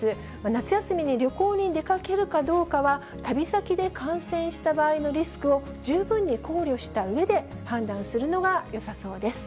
夏休みに旅行に出かけるかどうかは、旅先で感染した場合のリスクを十分に考慮したうえで、判断するのがよさそうです。